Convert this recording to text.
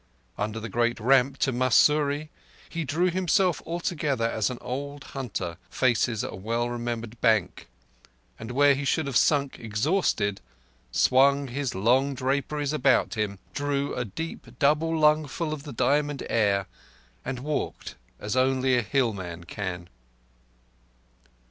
Under the great ramp to Mussoorie he drew himself together as an old hunter faces a well remembered bank, and where he should have sunk exhausted swung his long draperies about him, drew a deep double lungful of the diamond air, and walked as only a hillman can.